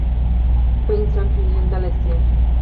سپي انسان پېژندلی شي.